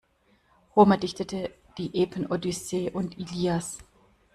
Homer dichtete die Epen Odyssee und Ilias.